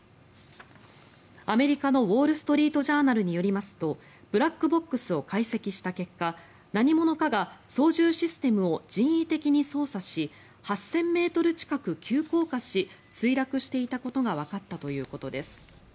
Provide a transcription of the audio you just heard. アメリカのウォール・ストリート・ジャーナルによりますとブラックボックスを解析した結果何者かが操縦システムを人為的に操作し８０００ｍ近く急降下し墜落していたことがわかったということです。